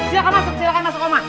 silakan masuk silakan masuk ama